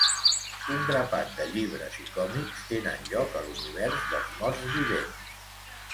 Un grapat de llibres i còmics tenen lloc a l'univers dels morts vivents.